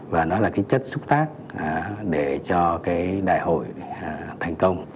và nó là cái chất xúc tác để cho cái đại hội thành công